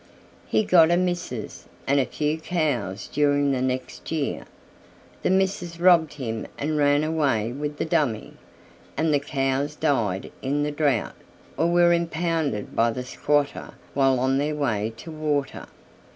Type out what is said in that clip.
He got a "missus" and a few cows during the next year; the missus robbed him and ran away with the dummy, and the cows died in the drought, or were impounded by the squatter while on their way to water.